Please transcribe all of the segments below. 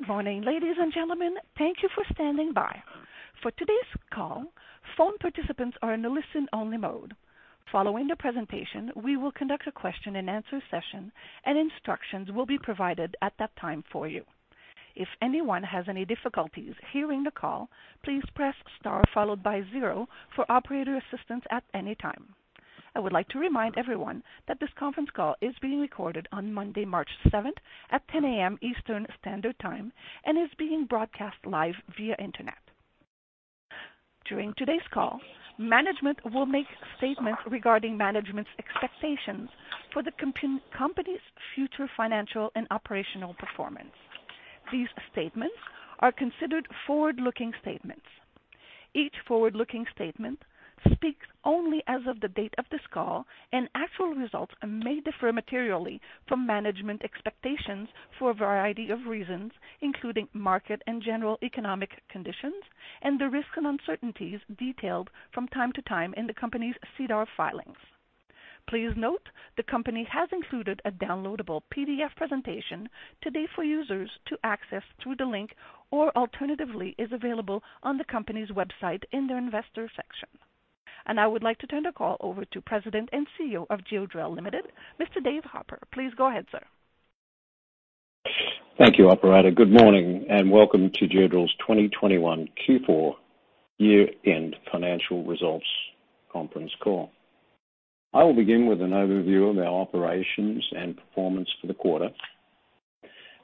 Good morning, ladies and gentlemen. Thank you for standing by. For today's call, phone participants are in a listen only mode. Following the presentation, we will conduct a question and answer session, and instructions will be provided at that time for you. If anyone has any difficulties hearing the call, please press star followed by zero for operator assistance at any time. I would like to remind everyone that this conference call is being recorded on Monday, March 7th at 10 A.M. Eastern Standard Time and is being broadcast live via internet. During today's call, management will make statements regarding management's expectations for the company's future financial and operational performance. These statements are considered forward-looking statements. Each forward-looking statement speaks only as of the date of this call, and actual results may differ materially from management expectations for a variety of reasons, including market and general economic conditions, and the risks and uncertainties detailed from time to time in the company's SEDAR filings. Please note, the company has included a downloadable PDF presentation today for users to access through the link, or alternatively, is available on the company's website in their investor section. I would like to turn the call over to President and CEO of Geodrill Limited, Mr. Dave Harper. Please go ahead, sir. Thank you, operator. Good morning, and welcome to Geodrill's 2021 Q4 year-end financial results conference call. I will begin with an overview of our operations and performance for the quarter.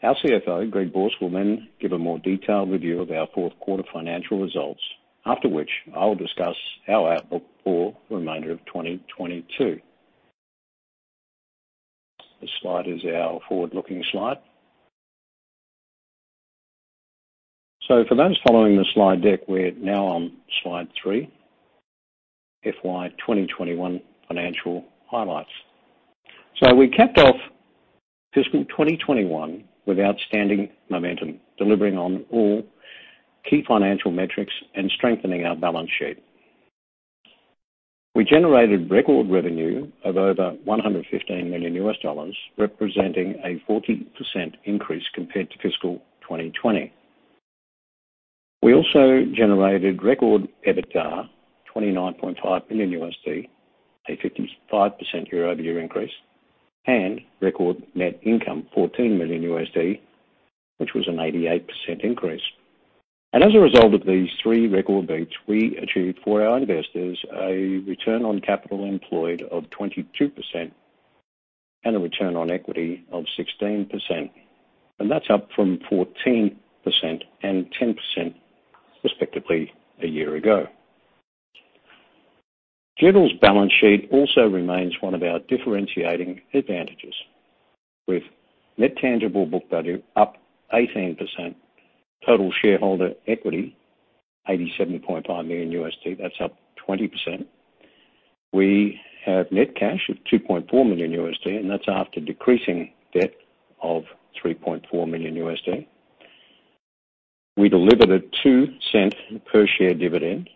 Our CFO, Greg Borsk, will then give a more detailed review of our fourth quarter financial results, after which I will discuss our outlook for the remainder of 2022. This slide is our forward-looking slide. For those following the slide deck, we're now on slide three, FY 2021 financial highlights. We capped off fiscal 2021 with outstanding momentum, delivering on all key financial metrics and strengthening our balance sheet. We generated record revenue of over $115 million, representing a 40% increase compared to fiscal 2020. We also generated record EBITDA, $29.5 million, a 55% year-over-year increase, and record net income, $14 million, which was an 88% increase. As a result of these three record dates, we achieved for our investors a return on capital employed of 22% and a return on equity of 16%. That's up from 14% and 10%, respectively, a year ago. Geodrill's balance sheet also remains one of our differentiating advantages. With net tangible book value up 18%, total shareholder equity $87.5 million, that's up 20%. We have net cash of $2.4 million, and that's after decreasing debt of $3.4 million. We delivered a $0.2 per share dividend.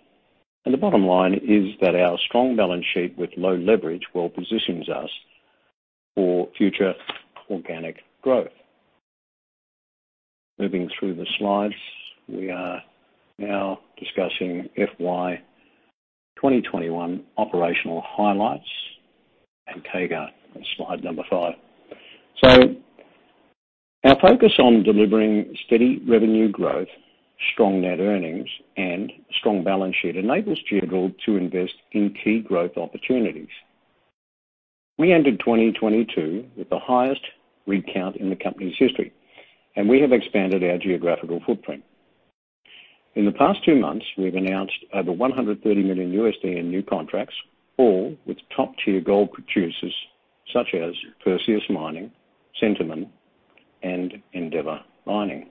The bottom line is that our strong balance sheet with low leverage well positions us for future organic growth. Moving through the slides, we are now discussing FY 2021 operational highlights and CAGR on slide five. Our focus on delivering steady revenue growth, strong net earnings, and strong balance sheet enables Geodrill to invest in key growth opportunities. We ended 2022 with the highest rig count in the company's history, and we have expanded our geographical footprint. In the past two months, we've announced over $130 million in new contracts, all with top tier gold producers such as Perseus Mining, Centamin, and Endeavour Mining.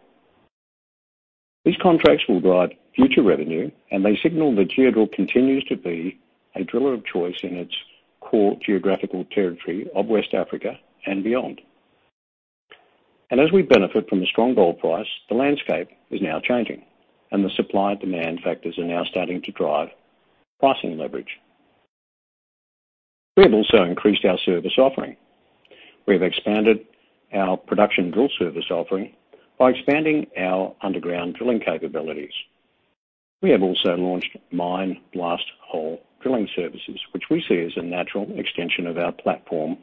These contracts will drive future revenue, and they signal that Geodrill continues to be a driller of choice in its core geographical territory of West Africa and beyond. As we benefit from a strong gold price, the landscape is now changing, and the supply-demand factors are now starting to drive pricing leverage. We have also increased our service offering. We have expanded our production drill service offering by expanding our underground drilling capabilities. We have also launched mine blast hole drilling services, which we see as a natural extension of our platform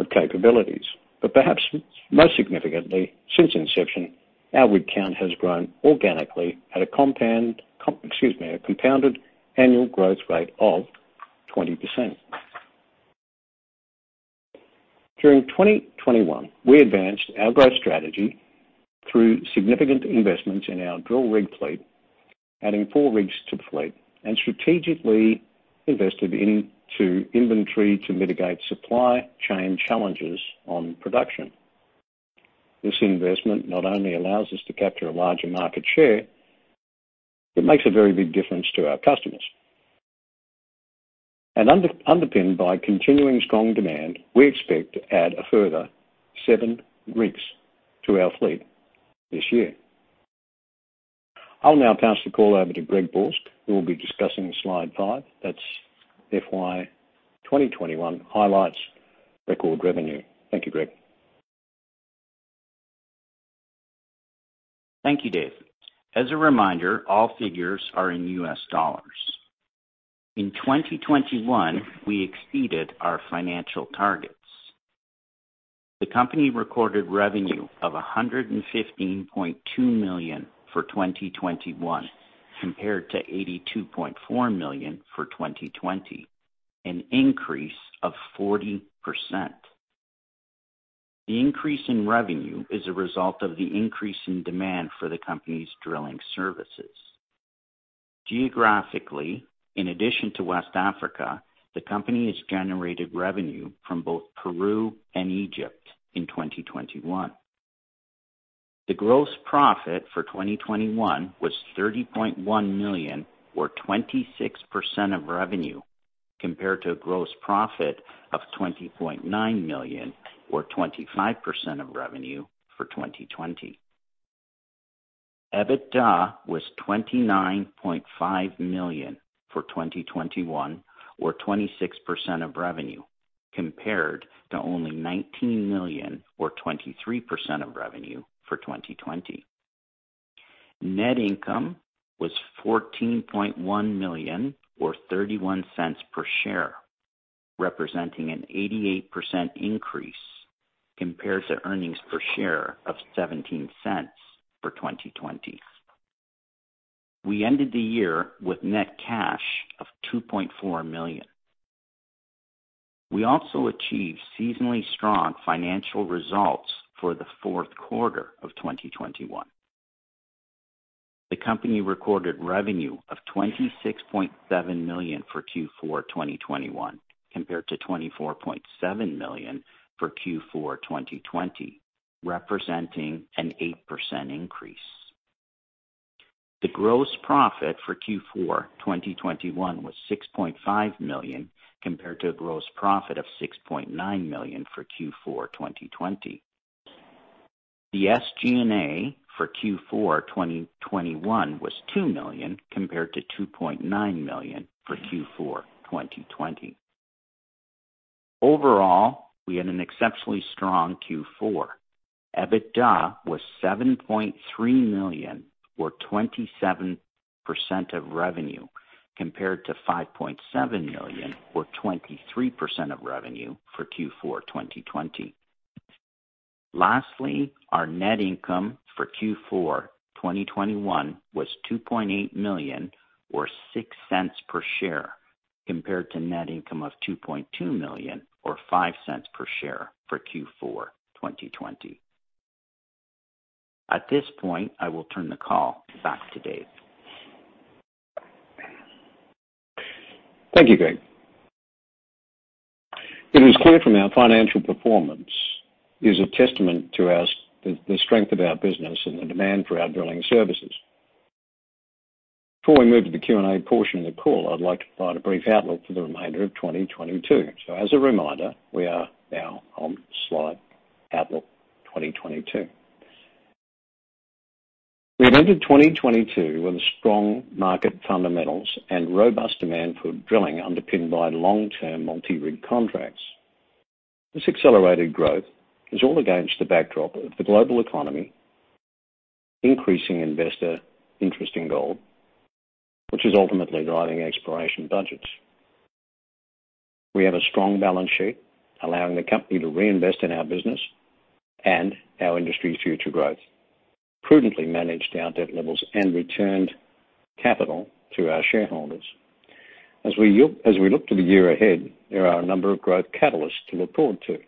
of capabilities. Perhaps most significantly, since inception, our rig count has grown organically at a compounded annual growth rate of 20%. During 2021, we advanced our growth strategy through significant investments in our drill rig fleet, adding four rigs to the fleet, and strategically invested into inventory to mitigate supply chain challenges on production. This investment not only allows us to capture a larger market share, it makes a very big difference to our customers. Underpinned by continuing strong demand, we expect to add a further 7 rigs to our fleet this year. I'll now pass the call over to Greg Borsk, who will be discussing slide five. That's FY 2021 highlights record revenue. Thank you, Greg. Thank you, Dave. As a reminder, all figures are in U.S. dollars. In 2021, we exceeded our financial targets. The company recorded revenue of $115.2 million for 2021 compared to $82.4 million for 2020, an increase of 40%. The increase in revenue is a result of the increase in demand for the company's drilling services. Geographically, in addition to West Africa, the company has generated revenue from both Peru and Egypt in 2021. The gross profit for 2021 was $30.1 million, or 26% of revenue, compared to a gross profit of $20.9 million or 25% of revenue for 2020. EBITDA was $29.5 million for 2021 or 26% of revenue, compared to only $19 million or 23% of revenue for 2020. Net income was $14.1 million or $0.31 per share, representing an 88% increase compared to earnings per share of $0.17 for 2020. We ended the year with net cash of $2.4 million. We also achieved seasonally strong financial results for the fourth quarter of 2021. The company recorded revenue of $26.7 million for Q4 2021 compared to $24.7 million for Q4 2020, representing an 8% increase. The gross profit for Q4 2021 was $6.5 million, compared to a gross profit of $6.9 million for Q4 2020. The SG&A for Q4 2021 was $2 million, compared to $2.9 million for Q4 2020. Overall, we had an exceptionally strong Q4. EBITDA was $7.3 million or 27% of revenue, compared to $5.7 million or 23% of revenue for Q4 2020. Lastly, our net income for Q4 2021 was $2.8 million or $0.06 per share, compared to net income of $2.2 million or $0.05 per share for Q4 2020. At this point, I will turn the call back to Dave. Thank you, Greg. It is clear that our financial performance is a testament to the strength of our business and the demand for our drilling services. Before we move to the Q&A portion of the call, I'd like to provide a brief outlook for the remainder of 2022. As a reminder, we are now on slide Outlook 2022. We've entered 2022 with strong market fundamentals and robust demand for drilling underpinned by long-term multi-rig contracts. This accelerated growth is all against the backdrop of the global economy, increasing investor interest in gold, which is ultimately driving exploration budgets. We have a strong balance sheet allowing the company to reinvest in our business and our industry's future growth, prudently managed our debt levels, and returned capital to our shareholders. As we look to the year ahead, there are a number of growth catalysts to look forward to.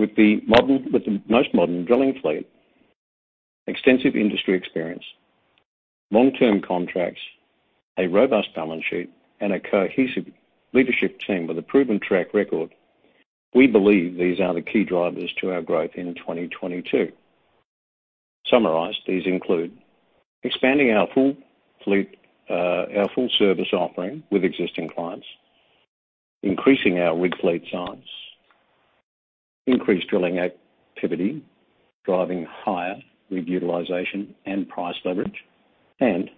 With the most modern drilling fleet, extensive industry experience, long-term contracts, a robust balance sheet, and a cohesive leadership team with a proven track record, we believe these are the key drivers to our growth in 2022. Summarized, these include expanding our full fleet, our full service offering with existing clients, increasing our rig fleet size, increased drilling activity, driving higher rig utilization and price leverage, and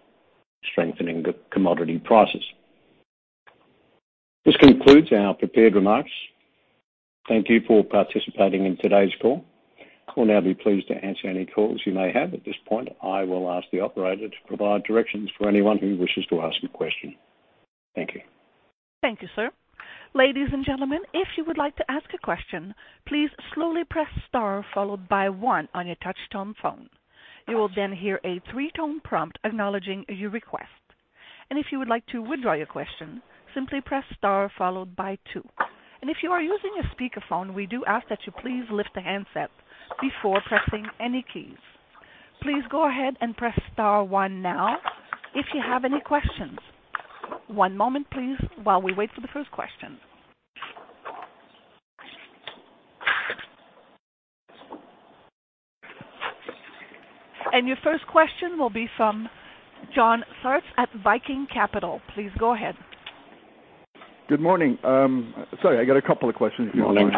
strengthening the commodity prices. This concludes our prepared remarks. Thank you for participating in today's call. We'll now be pleased to answer any questions you may have. At this point, I will ask the operator to provide directions for anyone who wishes to ask a question. Thank you. Thank you, sir. Ladies and gentlemen, if you would like to ask a question, please slowly press star followed by one on your touch tone phone. You will then hear a three-tone prompt acknowledging your request. If you would like to withdraw your question, simply press star followed by two. If you are using a speakerphone, we do ask that you please lift the handset before pressing any keys. Please go ahead and press star one now if you have any questions. One moment please while we wait for the first question. Your first question will be from John Sartz at Viking Capital. Please go ahead. Good morning. Sorry, I got a couple of questions if you don't mind.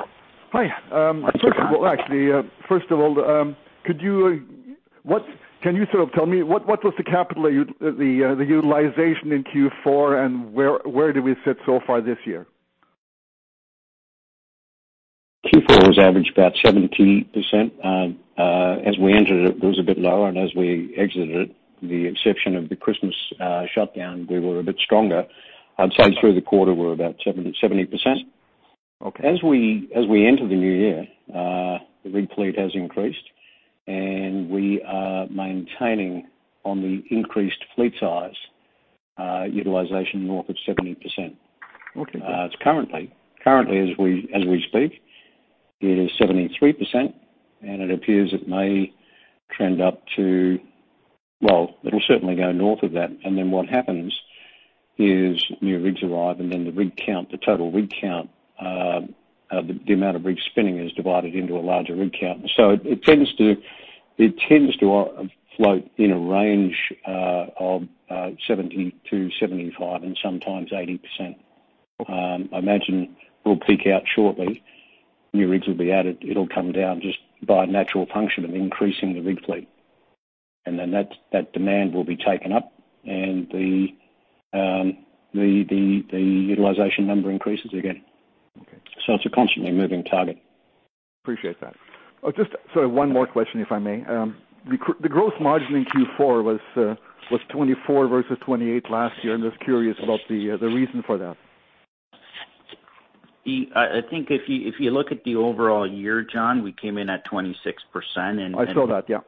Morning. Hi. Well, actually, first of all, can you sort of tell me what was the capital utilization in Q4 and where do we sit so far this year? Q4, we averaged about 70%. As we entered, it was a bit lower, and as we exited it, with the exception of the Christmas shutdown, we were a bit stronger. I'd say through the quarter we're about 70%. Okay. As we enter the new year, the rig fleet has increased, and we are maintaining on the increased fleet size, utilization north of 70%. Okay. It's currently as we speak, it is 73% and it appears it may trend up to. Well, it'll certainly go north of that. Then what happens is new rigs arrive and then the rig count, the total rig count, the amount of rigs spinning is divided into a larger rig count. It tends to float in a range of 70%-75% and sometimes 80%. I imagine we'll peak out shortly. New rigs will be added. It'll come down just by natural function of increasing the rig fleet. Then that demand will be taken up and the utilization number increases again. Okay. It's a constantly moving target. Appreciate that. Just sort of one more question, if I may. The gross margin in Q4 was 24% versus 28% last year. I'm just curious about the reason for that. I think if you look at the overall year, John, we came in at 26% and- I saw that, yeah.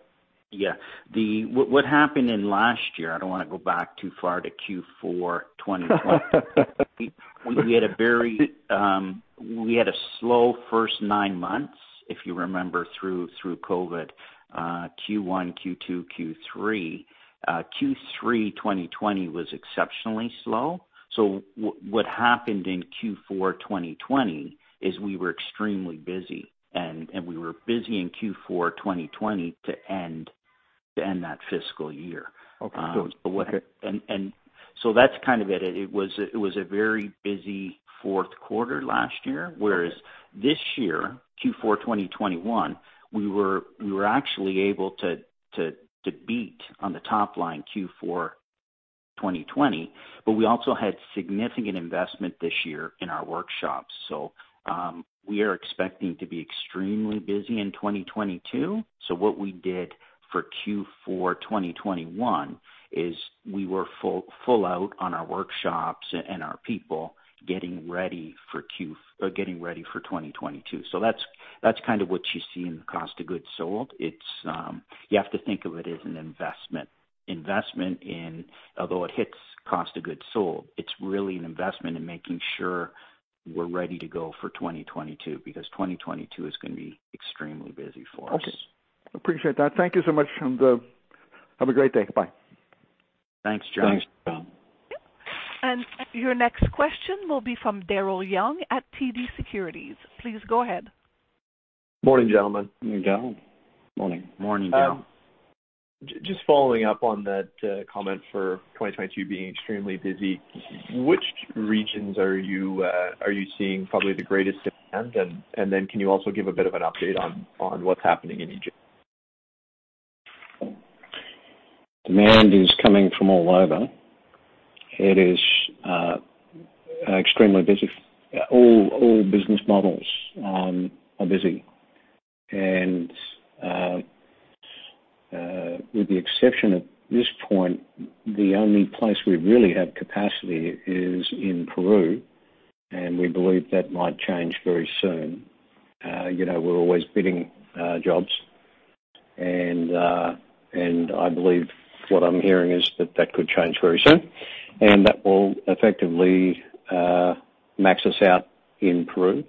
Yeah. What happened in last year, I don't wanna go back too far to Q4 2020. We had a very slow first nine months, if you remember through COVID, Q1, Q2, Q3. Q3 2020 was exceptionally slow. What happened in Q4 2020 is we were extremely busy and we were busy in Q4 2020 to end that fiscal year. Okay. Um, so what- Okay. That's kind of it. It was a very busy fourth quarter last year. Okay. Whereas this year, Q4 2021, we were actually able to beat on the top line Q4 2020. We also had significant investment this year in our workshops. We are expecting to be extremely busy in 2022. What we did for Q4 2021 is we were full out on our workshops and our people getting ready for 2022. That's kind of what you see in the cost of goods sold. It's. You have to think of it as an investment. Although it hits cost of goods sold, it's really an investment in making sure we're ready to go for 2022, because 2022 is gonna be extremely busy for us. Okay. Appreciate that. Thank you so much. Have a great day. Bye. Thanks, John. Thanks, John. Your next question will be from Daryl Young at TD Securities. Please go ahead. Morning, gentlemen. Morning. Morning. Morning, Daryl. Just following up on that comment for 2022 being extremely busy, which regions are you seeing probably the greatest demand? Then can you also give a bit of an update on what's happening in Egypt? Demand is coming from all over. It is extremely busy. All business models are busy. With the exception at this point, the only place we really have capacity is in Peru, and we believe that might change very soon. You know, we're always bidding jobs. I believe what I'm hearing is that that could change very soon. That will effectively max us out in Peru.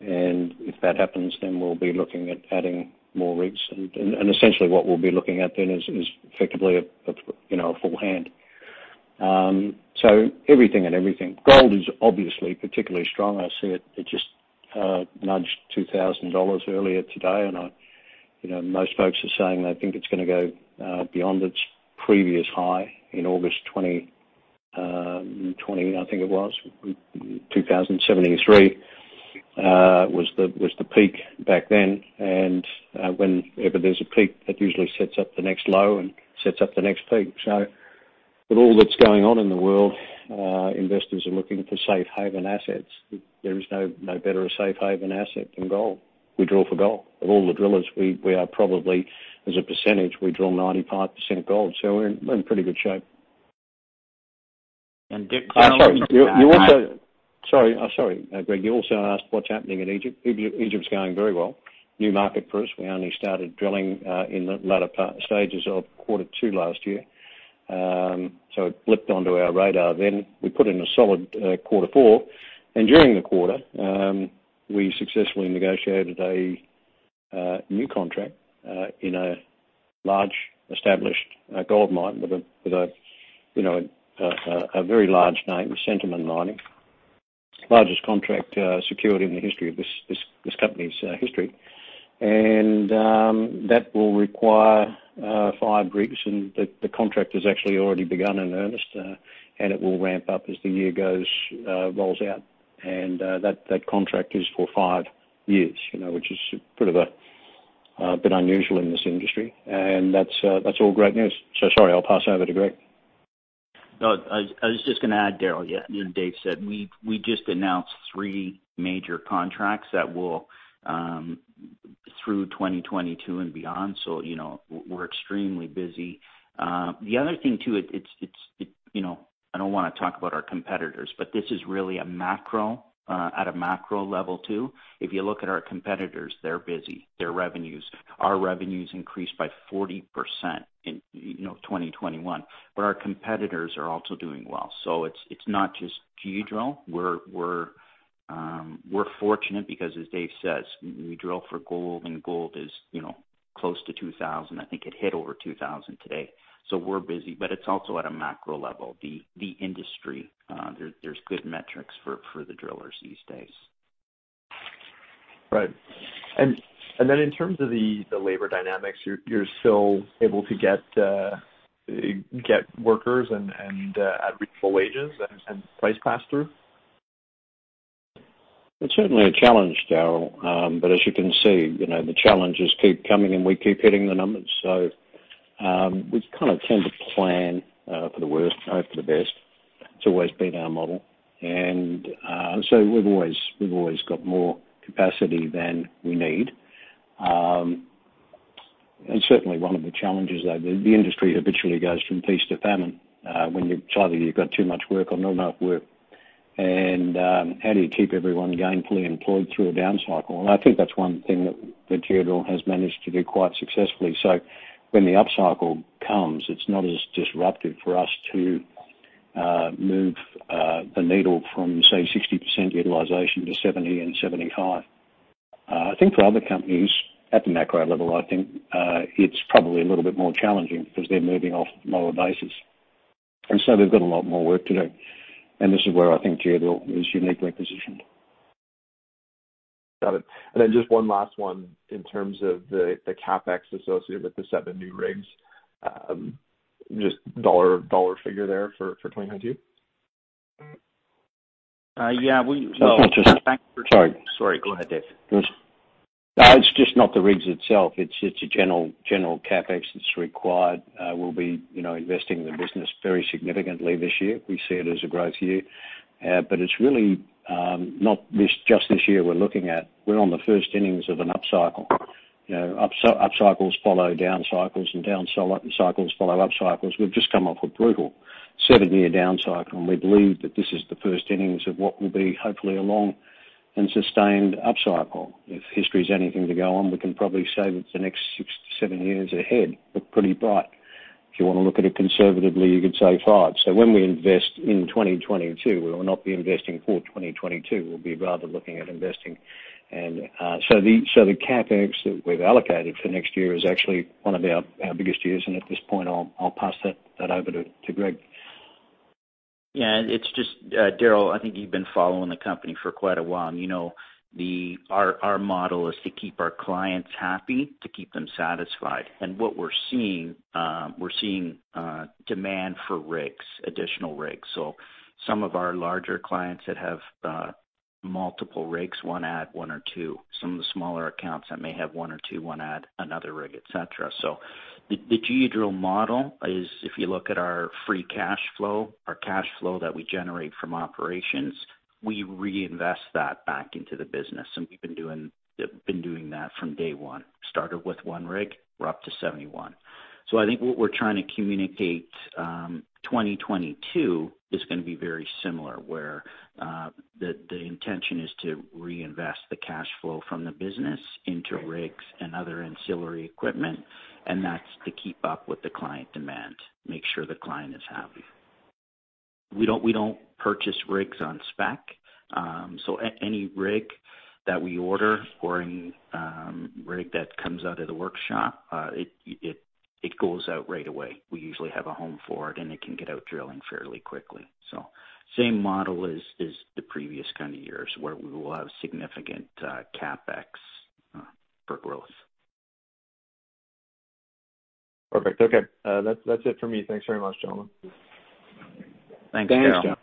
If that happens, then we'll be looking at adding more rigs. Essentially what we'll be looking at then is effectively a full hand. So everything and everything. Gold is obviously particularly strong. I see it just nudged $2,000 earlier today. I- You know, most folks are saying they think it's gonna go beyond its previous high in August 2020, I think it was. $2,073 was the peak back then. Whenever there's a peak, that usually sets up the next low and sets up the next peak. With all that's going on in the world, investors are looking for safe haven assets. There is no better a safe haven asset than gold. We drill for gold. Of all the drillers, we are probably, as a percentage, we drill 95% gold, so we're in pretty good shape. And Daryl- I'm sorry. You also- Uh, I- Sorry, Greg, you also asked what's happening in Egypt. Egypt's going very well. New market for us. We only started drilling in the latter stages of quarter two last year. It blipped onto our radar then. We put in a solid quarter four. During the quarter, we successfully negotiated a new contract in a large established gold mine with a very large name, Centamin Mining. Largest contract secured in the history of this company's history. That will require five rigs and the contract has actually already begun in earnest, and it will ramp up as the year rolls out. That contract is for five years, you know, which is sort of a bit unusual in this industry. That's all great news. Sorry, I'll pass over to Greg. No, I was just gonna add, Daryl. Yeah, you know, Dave said we just announced three major contracts that will through 2022 and beyond. You know, we're extremely busy. The other thing too, it's, you know, I don't wanna talk about our competitors, but this is really a macro at a macro level, too. If you look at our competitors, they're busy, their revenues. Our revenues increased by 40% in, you know, 2021, but our competitors are also doing well. It's not just Geodrill. We're fortunate because as Dave says, we drill for gold, and gold is, you know, close to $2000. I think it hit over $2000 today. We're busy, but it's also at a macro level. The industry, there's good metrics for the drillers these days. Right. Then in terms of the labor dynamics, you're still able to get workers and at reasonable wages and price pass through? It's certainly a challenge, Daryl. As you can see, you know, the challenges keep coming, and we keep hitting the numbers. We kind of tend to plan for the worst, hope for the best. It's always been our model. We've always got more capacity than we need. Certainly one of the challenges, though, the industry habitually goes from feast to famine. It's either you've got too much work or not enough work. How do you keep everyone gainfully employed through a down cycle? I think that's one thing that Geodrill has managed to do quite successfully. When the upcycle comes, it's not as disruptive for us to move the needle from, say, 60% utilization to 70% and 70%-high. I think for other companies at the macro level, I think, it's probably a little bit more challenging because they're moving off lower bases. So they've got a lot more work to do. This is where I think Geodrill is uniquely positioned. Got it. Just one last one. In terms of the CapEx associated with the seven new rigs, just dollar figure there for 2022? Yeah. Sorry. Sorry. Go ahead, Dave. No, it's just not the rigs itself, it's a general CapEx that's required. We'll be, you know, investing in the business very significantly this year. We see it as a growth year. It's really not just this year we're looking at. We're on the first innings of an upcycle. You know, upcycles follow downcycles and downcycles follow upcycles. We've just come off a brutal seven-year downcycle, and we believe that this is the first innings of what will be hopefully a long and sustained upcycle. If history is anything to go on, we can probably say that the next six to seven years ahead look pretty bright. If you wanna look at it conservatively, you could say five. When we invest in 2022, we will not be investing for 2022. We'll be rather looking at investing. So the CapEx that we've allocated for next year is actually one of our biggest years. At this point I'll pass that over to Greg. Yeah. It's just, Daryl, I think you've been following the company for quite a while. You know, our model is to keep our clients happy, to keep them satisfied. What we're seeing, demand for rigs, additional rigs. Some of our larger clients that have multiple rigs wanna add one or two. Some of the smaller accounts that may have one or two wanna add another rig, et cetera. The Geodrill model is if you look at our free cash flow, our cash flow that we generate from operations, we reinvest that back into the business. We've been doing that from day one. Started with one rig, we're up to 71%. I think what we're trying to communicate, 2022 is gonna be very similar, where the intention is to reinvest the cash flow from the business into rigs and other ancillary equipment, and that's to keep up with the client demand, make sure the client is happy. We don't purchase rigs on spec. Any rig that we order or any rig that comes out of the workshop, it goes out right away. We usually have a home for it, and it can get out drilling fairly quickly. Same model as the previous kind of years, where we will have significant CapEx for growth. Perfect. Okay. That's it for me. Thanks very much, gentlemen. Thanks, Daryl. Thanks.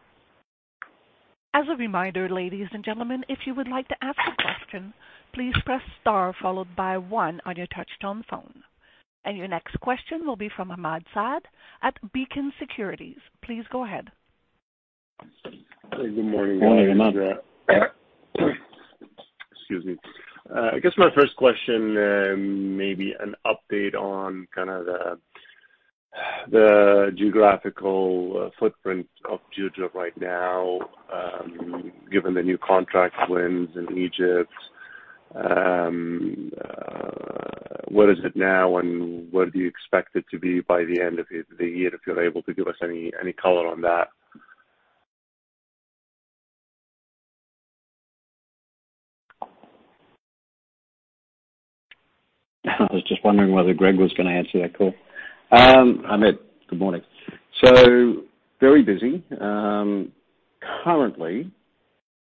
As a reminder, ladies and gentlemen, if you would like to ask a question, please press star followed by one on your touchtone phone. Your next question will be from Ahmad Shaath at Beacon Securities. Please go ahead. Good morning, Dave and Greg. Excuse me. I guess, my first question may be an update on kinda the geographical footprint of Geodrill right now, given the new contract wins in Egypt. Where is it now, and where do you expect it to be by the end of the year, if you're able to give us any color on that? I was just wondering whether Greg was gonna answer that call. Ahmad, good morning. Very busy. Currently,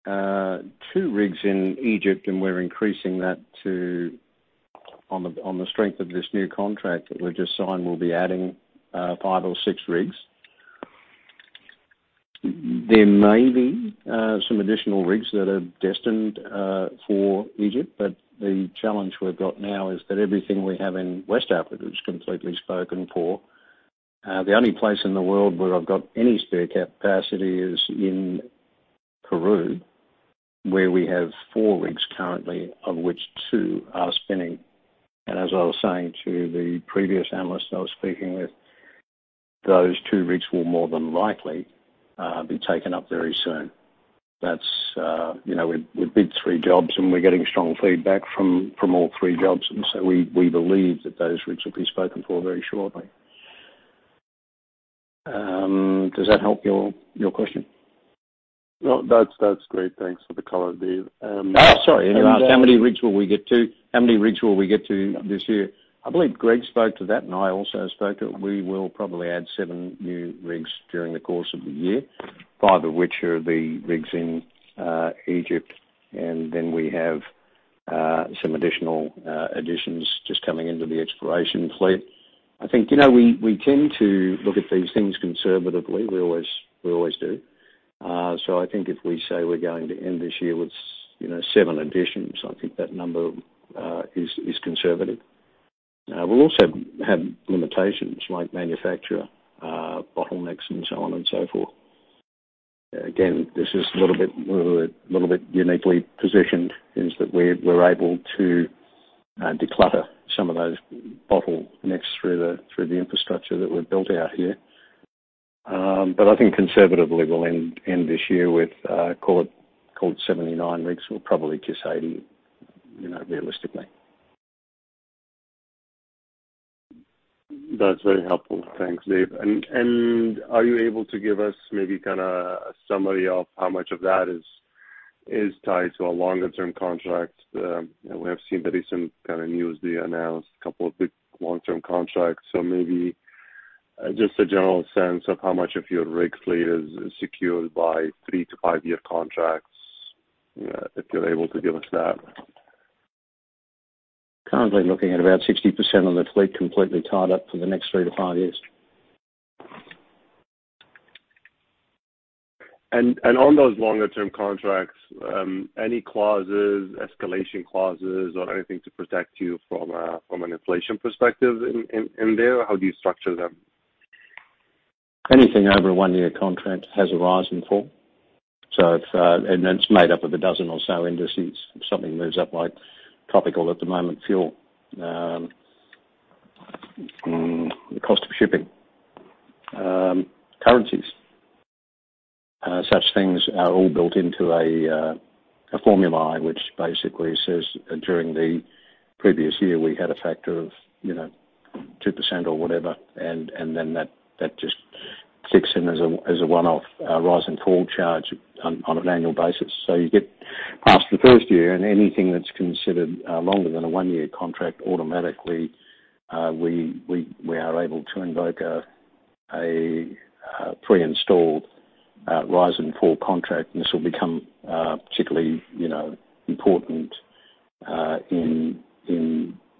two rigs in Egypt, and we're increasing that. On the strength of this new contract that we just signed, we'll be adding five or six rigs. There may be some additional rigs that are destined for Egypt, but the challenge we've got now is that everything we have in West Africa is completely spoken for. The only place in the world where I've got any spare capacity is in Peru, where we have four rigs currently, of which two are spinning. As I was saying to the previous analyst I was speaking with, those two rigs will more than likely be taken up very soon. That's, you know, we bid three jobs, and we're getting strong feedback from all three jobs. We believe that those rigs will be spoken for very shortly. Does that help your question? No, that's great. Thanks for the color, Dave. Oh, sorry. You asked how many rigs will we get to? How many rigs will we get to this year? I believe Greg spoke to that, and I also spoke to it. We will probably add seven new rigs during the course of the year, five of which are the rigs in Egypt. Then we have some additional additions just coming into the exploration fleet. I think, you know, we tend to look at these things conservatively. We always do. So I think if we say we're going to end this year with, you know, seven additions, I think that number is conservative. We'll also have limitations like manufacturer bottlenecks and so on and so forth. Again, this is a little bit uniquely positioned is that we're able to declutter some of those bottlenecks through the infrastructure that we've built out here. I think conservatively we'll end this year with call it 79 rigs. We'll probably kiss 80, you know, realistically. That's very helpful. Thanks, Dave. Are you able to give us maybe kinda a summary of how much of that is tied to a longer-term contract? You know, we have seen the recent kind of news. They announced a couple of big long-term contracts. Maybe just a general sense of how much of your rig fleet is secured by three to five-year contracts, if you're able to give us that. Currently looking at about 60% of the fleet completely tied up for the next three to five years. On those longer term contracts, any clauses, escalation clauses, or anything to protect you from an inflation perspective in there? How do you structure them? Anything over a 1-year contract has a rise and fall. It's and that's made up of 12 or so indices. If something moves up, like tropical at the moment, fuel, cost of shipping, currencies, such things are all built into a formula which basically says, during the previous year, we had a factor of, you know, 2% or whatever. Then that just kicks in as a one-off rise and fall charge on an annual basis. You get past the first year and anything that's considered longer than a one-year contract, automatically, we are able to invoke a pre-installed rise and fall contract. This will become particularly, you know, important in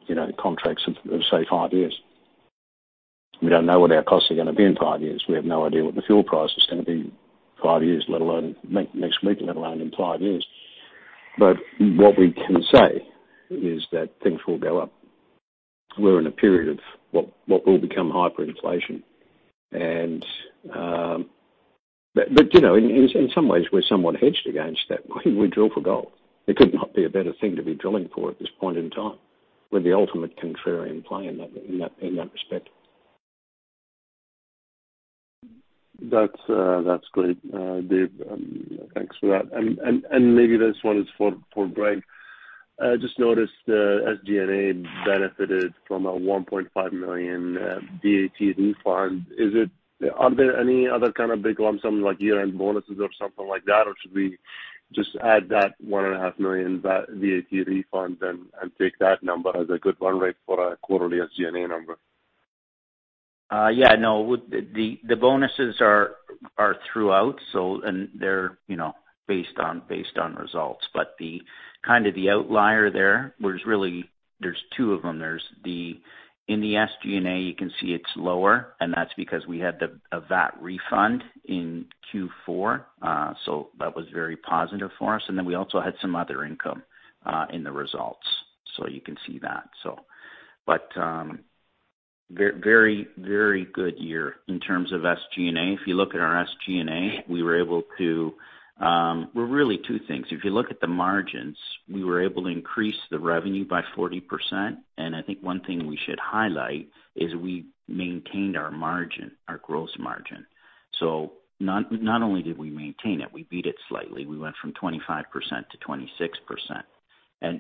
you know contracts of say, five years. We don't know what our costs are gonna be in five years. We have no idea what the fuel price is gonna be in five years, let alone next week, let alone in five years. What we can say is that things will go up. We're in a period of what will become hyperinflation. You know, in some ways, we're somewhat hedged against that. We drill for gold. There could not be a better thing to be drilling for at this point in time. We're the ultimate contrarian play in that respect. That's great, Dave. Thanks for that. Maybe this one is for Greg. I just noticed SG&A benefited from a $1.5 million VAT refund. Are there any other kind of big lump sums, like year-end bonuses or something like that? Or should we just add that $1.5 million VAT refund and take that number as a good run rate for a quarterly SG&A number? The bonuses are throughout, so they're, you know, based on results. The kind of outlier there was really there's two of them. There's the. In the SG&A, you can see it's lower, and that's because we had a VAT refund in Q4. That was very positive for us. Then we also had some other income in the results. You can see that. Very good year in terms of SG&A. If you look at our SG&A, we were able to really two things. If you look at the margins, we were able to increase the revenue by 40%. I think one thing we should highlight is we maintained our margin, our gross margin. Not only did we maintain it, we beat it slightly. We went from 25% to 26%. As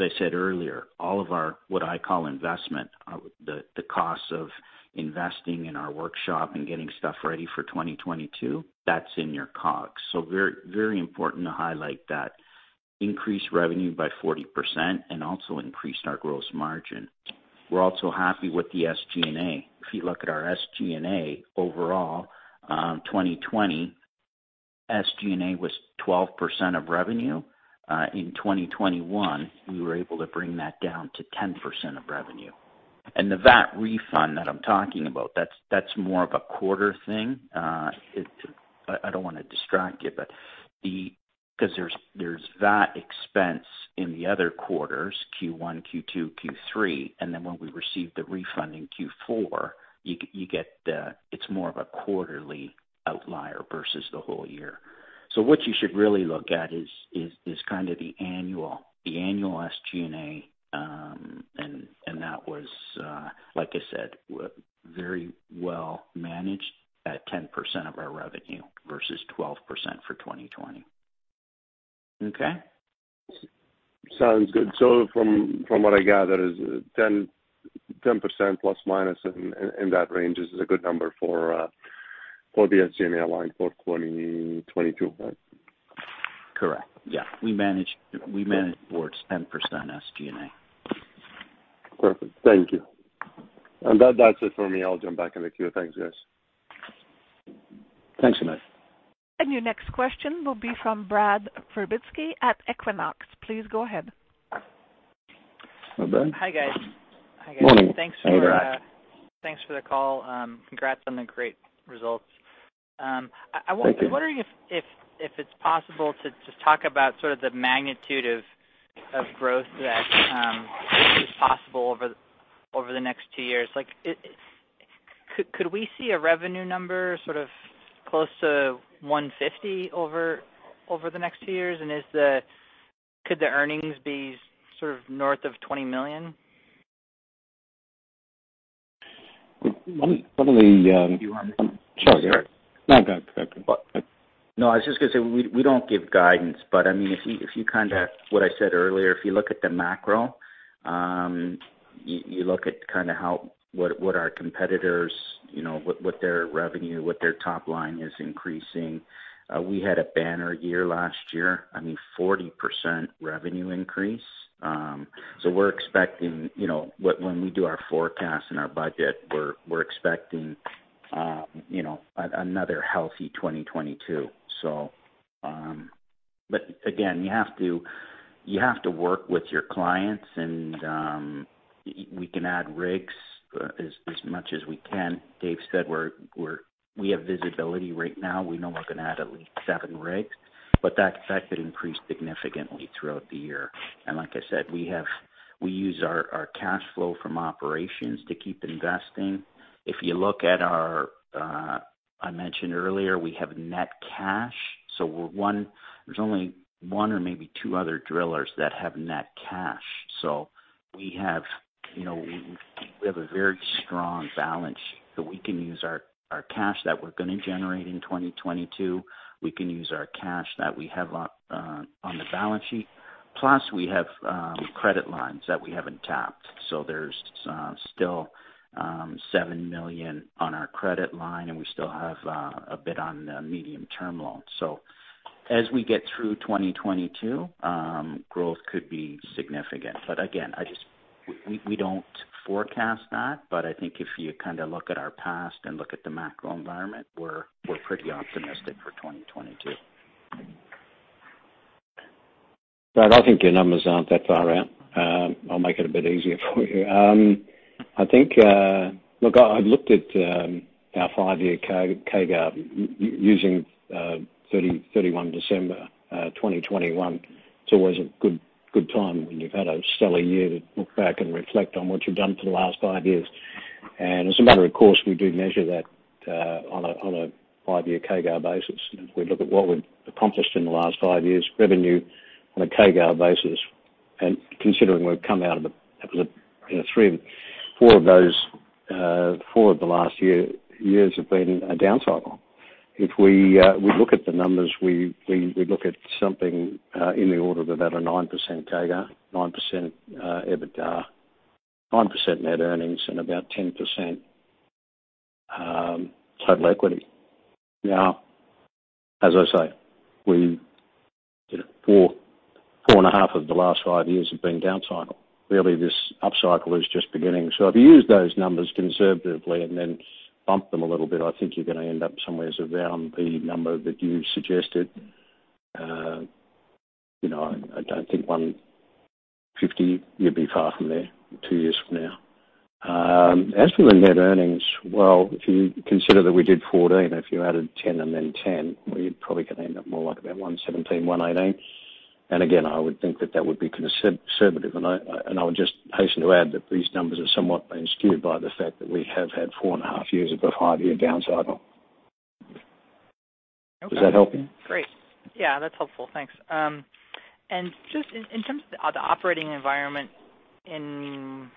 I said earlier, all of our, what I call investment, the costs of investing in our workshop and getting stuff ready for 2022, that's in your COGS. Very important to highlight that. Increased revenue by 40% and also increased our gross margin. We're also happy with the SG&A. If you look at our SG&A overall, 2020 SG&A was 12% of revenue. In 2021, we were able to bring that down to 10% of revenue. The VAT refund that I'm talking about, that's more of a quarter thing. I don't wanna distract you, but because there's that expense in the other quarters, Q1, Q2, Q3, and then when we receive the refund in Q4, you get it's more of a quarterly outlier versus the whole year. What you should really look at is kind of the annual SG&A, and that was, like I said, very well managed at 10% of our revenue versus 12% for 2020. Okay? Sounds good. From what I gather is 10% ± in that range is a good number for the SG&A line for 2022, right? Correct. Yeah. We manage towards 10% SG&A. Perfect. Thank you. That, that's it for me. I'll jump back in the queue. Thanks, guys. Thanks, Ahmad. Your next question will be from Brad Virbitsky at Equinox. Please go ahead. Hi, Brad. Hi, guys. Morning. Hi, guys. Hey, Brad. Thanks for the call. Congrats on the great results. I won- Thank you. I'm wondering if it's possible to just talk about sort of the magnitude of growth that is possible over the next two years. Like, could we see a revenue number sort of close to $150 million over the next two years? Could the earnings be sort of north of $20 million? Let me. Do you want me to- Sure. No, go ahead. No, I was just gonna say we don't give guidance. I mean, what I said earlier, if you look at the macro, you look at kinda how what our competitors, you know, what their revenue, what their top line is increasing. We had a banner year last year. I mean, 40% revenue increase. We're expecting, you know, when we do our forecast and our budget, we're expecting, you know, another healthy 2022. Again, you have to work with your clients and we can add rigs as much as we can. Dave said we have visibility right now. We know we're gonna add at least seven rigs, but that fact could increase significantly throughout the year. Like I said, we have. We use our cash flow from operations to keep investing. If you look at our, I mentioned earlier, we have net cash. So we're one. There's only one or maybe two other drillers that have net cash. So we have, you know, we have a very strong balance sheet so we can use our cash that we're gonna generate in 2022. We can use our cash that we have on the balance sheet. Plus we have credit lines that we haven't tapped. So there's still $7 million on our credit line, and we still have a bit on the medium-term loan. So as we get through 2022, growth could be significant. But again, I just. We don't forecast that. I think if you kinda look at our past and look at the macro environment, we're pretty optimistic for 2022. Brad, I think your numbers aren't that far out. I'll make it a bit easier for you. Look, I've looked at our five-year CAGR using 31 December 2021. It's always a good time when you've had a stellar year to look back and reflect on what you've done for the last five years. As a matter of course, we do measure that on a five-year CAGR basis. If we look at what we've accomplished in the last five years, revenue on a CAGR basis, and considering we've come out of a, you know, three of four of those last four years have been a down cycle. If we look at the numbers, we look at something in the order of about a 9% CAGR, 9% EBITDA, 9% net earnings, and about 10% total equity. Now, as I say, you know, 4.5 of the last five years have been down cycle. Really, this up cycle is just beginning. If you use those numbers conservatively and then bump them a little bit, I think you're gonna end up somewhere around the number that you suggested. You know, I don't think $150, you'd be far from there two years from now. As for the net earnings, well, if you consider that we did $14, if you added $10 and then $10, well, you're probably gonna end up more like about $117, $118. Again, I would think that that would be conservative. I would just hasten to add that these numbers have somewhat been skewed by the fact that we have had four and a half years of a five-year down cycle. Okay. Does that help you? Great. Yeah, that's helpful. Thanks. Just in terms of the operating environment in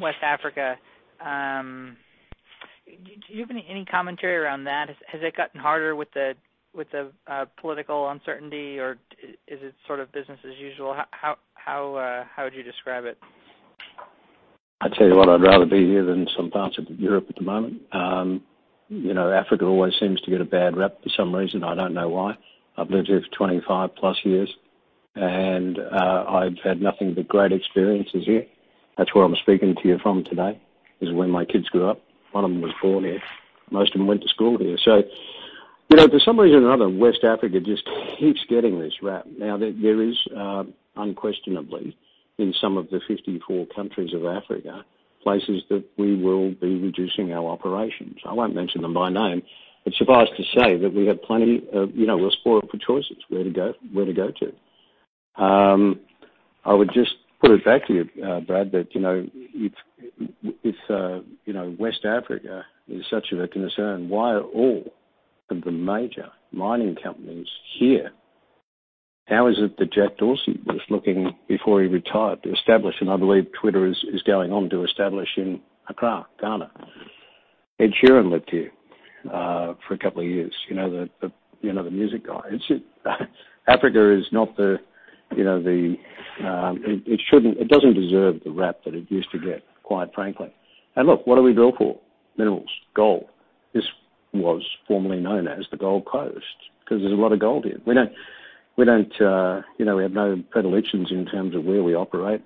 West Africa, do you have any commentary around that? Has it gotten harder with the political uncertainty, or is it sort of business as usual? How would you describe it? I tell you what, I'd rather be here than some parts of Europe at the moment. You know, Africa always seems to get a bad rep for some reason. I don't know why. I've lived here for 25+ years, and I've had nothing but great experiences here. That's where I'm speaking to you from today. This is where my kids grew up. One of them was born here. Most of them went to school here. You know, for some reason or another, West Africa just keeps getting this rep. Now, there is, unquestionably, in some of the 54 countries of Africa, places that we will be reducing our operations. I won't mention them by name, but suffice to say that we have plenty of, you know, we're spoiled for choices where to go to. I would just put it back to you, Brad, that, you know, if you know, West Africa is such a concern, why are all of the major mining companies here? How is it that Jack Dorsey was looking, before he retired, to establish, and I believe Twitter is going on to establish in Accra, Ghana. Ed Sheeran lived here for a couple of years. You know, the music guy. It's just Africa is not the, you know, the, it. It shouldn't. It doesn't deserve the rep that it used to get, quite frankly. Look, what are we built for? Minerals, gold. This was formerly known as the Gold Coast because there's a lot of gold here. We don't, you know, we have no predilections in terms of where we operate.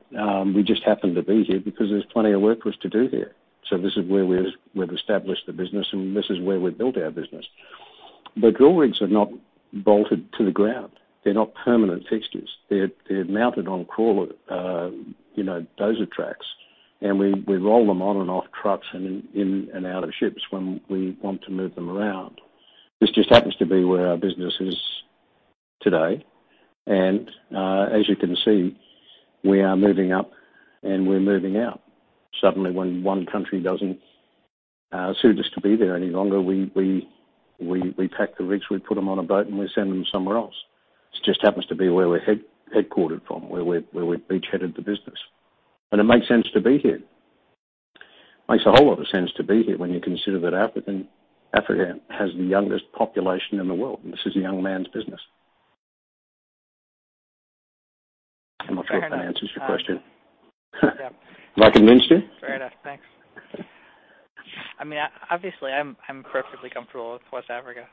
We just happen to be here because there's plenty of work for us to do here. This is where we've established the business, and this is where we've built our business. The drill rigs are not bolted to the ground. They're not permanent fixtures. They're mounted on crawler, you know, dozer tracks, and we roll them on and off trucks and in and out of ships when we want to move them around. This just happens to be where our business is today, and as you can see, we are moving up and we're moving out. Suddenly when one country doesn't suit us to be there any longer, we pack the rigs, we put them on a boat, and we send them somewhere else. This just happens to be where we're headquartered from, where we've beachheaded the business. It makes sense to be here. Makes a whole lot of sense to be here when you consider that Africa has the youngest population in the world, and this is a young man's business. I'm not sure if that answers your question. Yeah. Like a minister? Fair enough. Thanks. I mean, obviously, I'm perfectly comfortable with West Africa.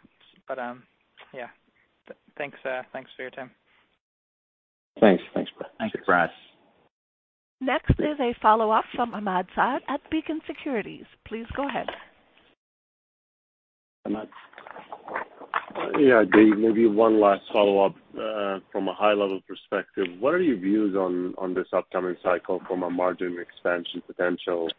Yeah, thanks for your time. Thanks. Thanks, Brad. Thanks, Brad. Next is a follow-up from Ahmad Shaath at Beacon Securities. Please go ahead. Ahmad? Yeah, Dave, maybe one last follow-up. From a high-level perspective, what are your views on this upcoming cycle from a margin expansion potential,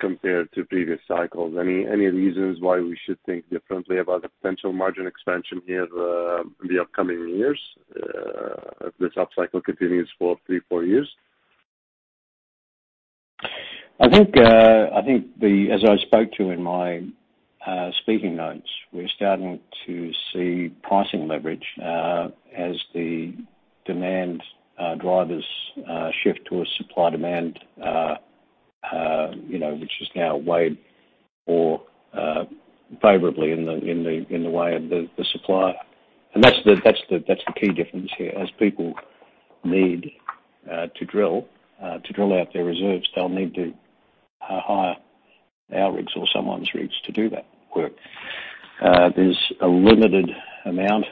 compared to previous cycles? Any reasons why we should think differently about the potential margin expansion here the upcoming years, if this up cycle continues for three to four years? I think, as I spoke to in my speaking notes, we're starting to see pricing leverage as the demand drivers shift to a supply-demand you know which is now weighed more favorably in the way of the supplier. That's the key difference here. As people need to drill out their reserves, they'll need to hire our rigs or someone's rigs to do that work. There's a limited amount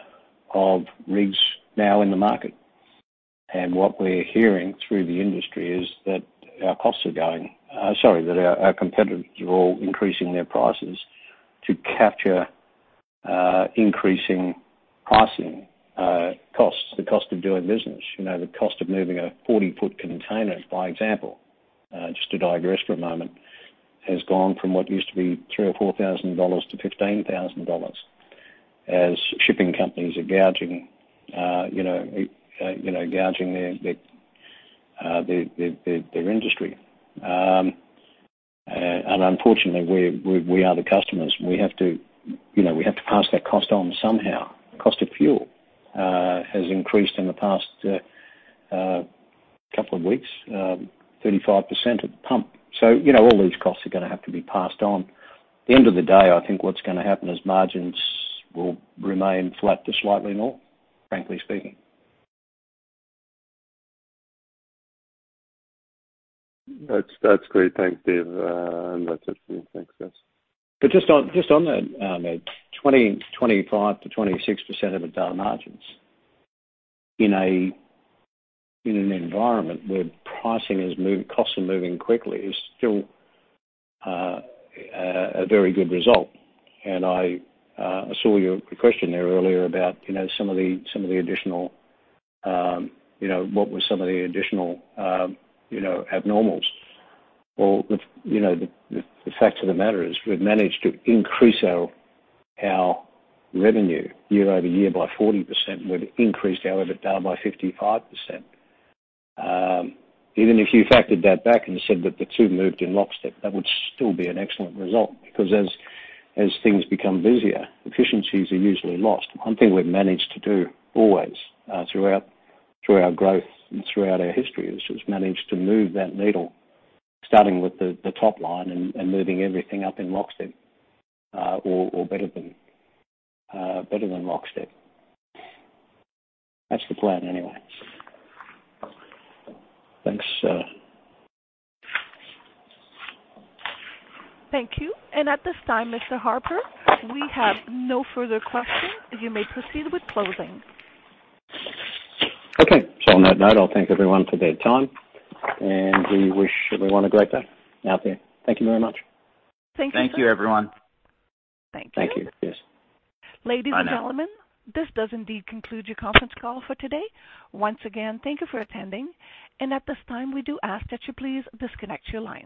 of rigs now in the market, and what we're hearing through the industry is that our competitors are all increasing their prices to capture increasing pricing costs, the cost of doing business. You know, the cost of moving a 40-foot container, by example, just to digress for a moment, has gone from what used to be $3,000-$4,000 to $15,000 as shipping companies are gouging, you know, gouging their industry. Unfortunately, we are the customers. We have to, you know, pass that cost on somehow. Cost of fuel has increased in the past couple of weeks 35% at the pump. You know, all these costs are gonna have to be passed on. At the end of the day, I think what's gonna happen is margins will remain flat to slightly more, frankly speaking. That's great. Thanks, Dave. That's it for me. Thanks, guys. Just on that, Ahmad, 25%-26% EBITDA margins in an environment where costs are moving quickly is still a very good result. I saw your question there earlier about some of the additional abnormals. The fact of the matter is we've managed to increase our revenue year-over-year by 40%. We've increased our EBITDA by 55%. Even if you factored that back and said that the two moved in lockstep, that would still be an excellent result because as things become busier, efficiencies are usually lost. One thing we've managed to do always, throughout, through our growth and throughout our history is just manage to move that needle, starting with the top line and moving everything up in lockstep, or better than lockstep. That's the plan anyway. Thanks. Thank you. At this time, Mr. Harper, we have no further questions. You may proceed with closing. Okay. On that note, I'll thank everyone for their time, and we wish everyone a great day out there. Thank you very much. Thank you, sir. Thank you, everyone. Thank you. Thank you. Yes. Ladies and gentlemen. Bye now. This does indeed conclude your conference call for today. Once again, thank you for attending, and at this time, we do ask that you please disconnect your line.